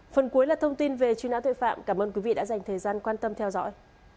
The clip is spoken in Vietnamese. phần cuối là thông tin về truy nã tội phạm cảm ơn quý vị đã dành thời gian quan tâm theo dõi